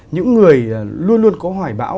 những người luôn luôn có hoài bão